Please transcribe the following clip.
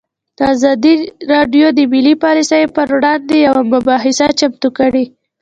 ازادي راډیو د مالي پالیسي پر وړاندې یوه مباحثه چمتو کړې.